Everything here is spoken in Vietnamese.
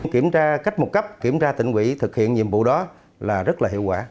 kiểm tra cách một cấp kiểm tra tỉnh quỹ thực hiện nhiệm vụ đó là rất là hiệu quả